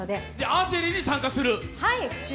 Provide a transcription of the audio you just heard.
アーチェリーに参加する？